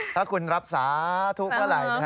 ถ้าคุณรับสาธุเมื่อไหร่